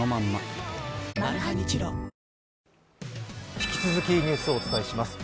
引き続きニュースをお伝えします。